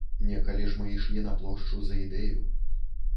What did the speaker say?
Некалі ж мы ішлі на плошчу за ідэю.